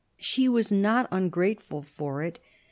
She was not ungrateful for it.